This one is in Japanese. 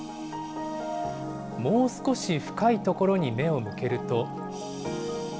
もう少し深い所に目を向けると。